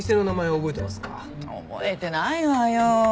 覚えてないわよ。